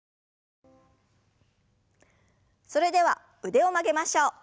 それでは腕を曲げましょう。